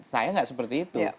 saya nggak seperti itu